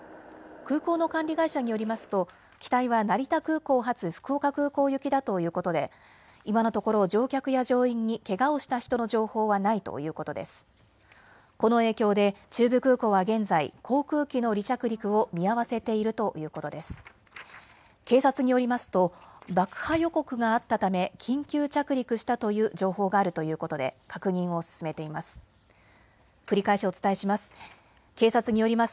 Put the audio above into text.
空港の管理会社によりますと機体は成田空港発、福岡空港行きだということで今のところ乗客や乗員にけがをした人の情報はないということです。